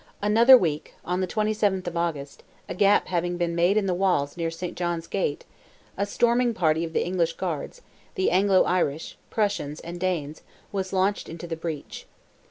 Another week—on the 27th of August—a gap having been made in the walls near Saint John's gate, a storming party of the English guards, the Anglo Irish, Prussians, and Danes, was launched into the breach.